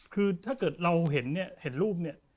คือถ้าเกิดเราเห็นรูปนี้